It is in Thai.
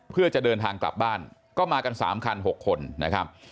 เพื่อจะเดินทางกลับบ้านก็มากัน๓คัน๖คนนะครับ